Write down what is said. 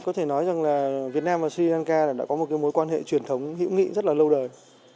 có thể nói rằng là việt nam và sri lanka đã có một cái mối quan hệ truyền thống hữu nghị rất là lâu đời